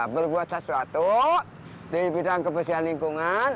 berbuat sesuatu di bidang kebersihan lingkungan